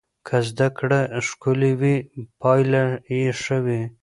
که زده کړه ښکلې وي پایله یې ښه وي.